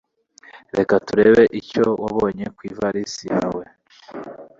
Reka turebe icyo wabonye ku ivarisi yawe.